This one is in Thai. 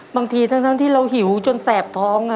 บางทีทั้งที่เราหิวจนแสบท้อง